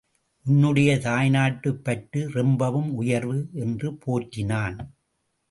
உன்னுடைய தாய்நாட்டுப் பற்று ரொம்பவும் உயர்வு!... என்று போற்றினான்.